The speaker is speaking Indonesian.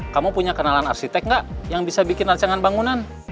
kamu punya kenalan arsitek nggak yang bisa bikin rancangan bangunan